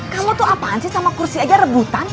kamu tuh apaan sih sama kursi aja rebutan